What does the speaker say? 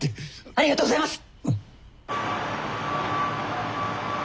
ありがとうございます！